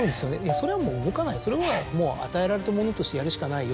それはもう動かないそれは与えられたものとしてやるしかないよ